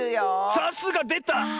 さすがでた！